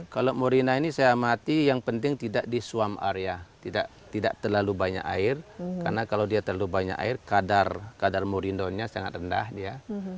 kalau morina ini saya amati yang penting tidak di suam area tidak terlalu banyak air karena kalau dia terlalu banyak air kadar morindonya sangat rendah dia